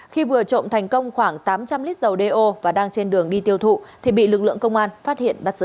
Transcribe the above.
khi vừa trộm thành công khoảng tám trăm linh lít dầu đeo và đang trên đường đi tiêu thụ thì bị lực lượng công an phát hiện bắt giữ